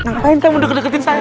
ngapain kamu deket deketin saya